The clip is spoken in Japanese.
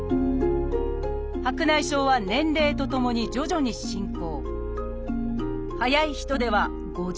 白内障は年齢とともに徐々に進行。